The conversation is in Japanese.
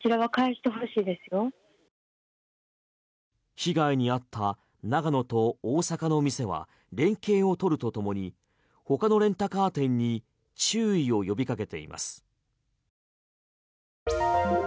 被害にあった長野と大阪の店は連携をとるとともに他のレンタカー店に注意を呼びかけています。